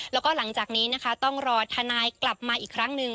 แล้วก็หลังจากนี้นะคะต้องรอทนายกลับมาอีกครั้งหนึ่ง